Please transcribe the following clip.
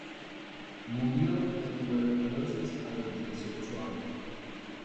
Murió de tuberculosis a los dieciocho años.